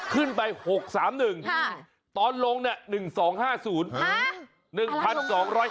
ขึ้นไป๖๓๑ตอนลงนั่น๑๒๕๐ฮะ๑๒๕๐ขั้นคุณหาอะไร